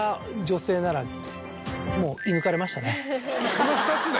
その２つで？